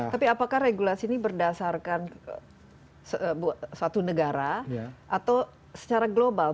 tapi apakah regulasi ini berdasarkan suatu negara atau secara global